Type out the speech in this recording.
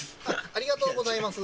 ありがとうございます